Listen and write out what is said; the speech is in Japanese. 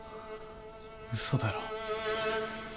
嘘だろ？